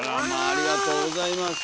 ありがとうございます。